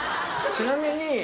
ちなみに。